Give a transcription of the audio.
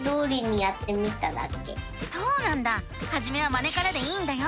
そうなんだはじめはまねからでいいんだよ！